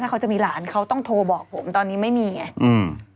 เขาจะมีหลานเขาต้องโทรบอกผมตอนนี้ไม่มีไงอืม